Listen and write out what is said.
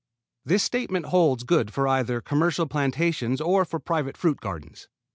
This statement holds good either for commercial plantations or for private fruit gardens.